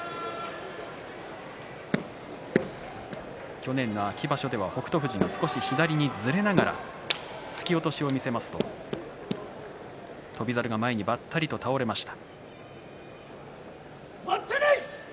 去年の秋場所では北勝富士が少し左にずれながら突き落としを見せますと翔猿が前にばったりと倒れました。